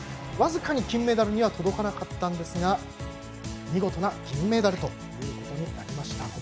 僅かに金メダルには届かなかったんですが見事な銀メダルとなりました。